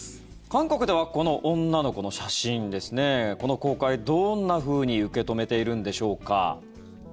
韓国ではこの女の子の写真この公開、どんなふうに受け止めているんでしょうか。